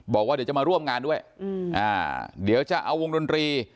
บอกว่าเดี๋ยวจะมาร่วมงานด้วยเดี๋ยวจะเอาวงดนตรี